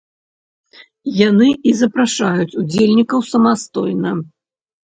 Яны і запрашаюць удзельнікаў самастойна.